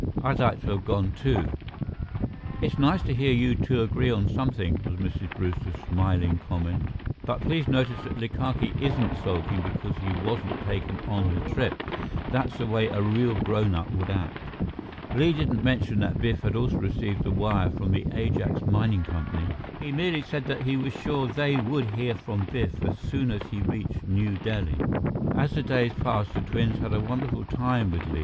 I'd like to have gone, too." "It's nice to hear you two agree on something," was Mrs. Brewster's smiling comment, "but please notice that Likake isn't sulking because he wasn't taken on the trip. That's the way a real grownup would act." Li didn't mention that Biff had also received a wire from the Ajax Mining Company. He merely said that he was sure they would hear from Biff as soon as he reached New Delhi. As the days passed, the twins had a wonderful time with Li.